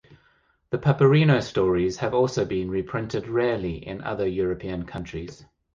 The "Paperino" stories have also been reprinted rarely in other European countries.